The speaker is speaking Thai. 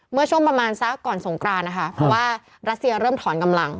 เมื่อช่วงประมาณสักก่อนสงกรานนะคะเพราะว่ารัสเซียเริ่มถอนกำลัง